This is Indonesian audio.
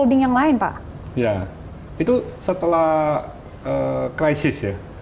itu setelah krisis ya